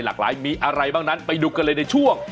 หลากหลายมีอะไรบ้างนั้นไปดูกันเลยในช่วง